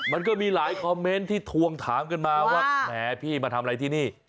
มันก็มีหลายคอมเมนต์ที่ทวงถามกันมาว่าแหมพี่มาทำอะไรที่นี่